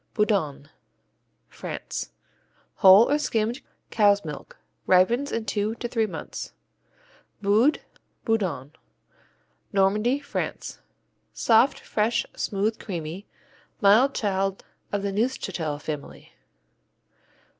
Boudanne France Whole or skimmed cow's milk, ripens in two to three months. Boudes, Boudon Normandy, France Soft, fresh, smooth, creamy, mild child of the Neufchâtel family.